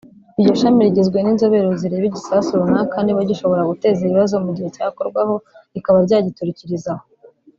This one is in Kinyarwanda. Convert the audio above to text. Iryo shami rigizwe n’inzobere zireba igisasu runaka niba gishobora guteza ibibazo mu gihe cyakorwaho rikaba ryagiturikiriza aho